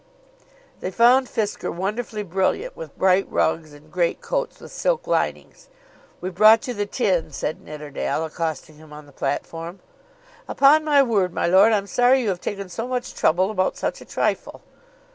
They found Fisker wonderfully brilliant with bright rugs, and greatcoats with silk linings. "We've brought you the tin," said Nidderdale, accosting him on the platform. "Upon my word, my lord, I'm sorry you have taken so much trouble about such a trifle."